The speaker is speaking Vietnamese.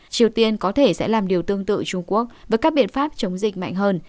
triều tiên có thể sẽ làm điều tương tự trung quốc với các biện pháp chống dịch mạnh hơn